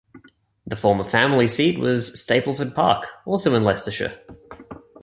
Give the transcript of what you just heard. The former family seat was Stapleford Park, also in Leicestershire.